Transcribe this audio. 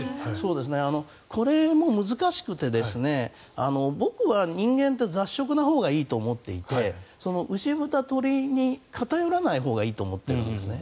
これも難しくて僕は人間って雑食なほうがいいと思っていて牛、豚、鳥に偏らないほうがいいと思っているんですね。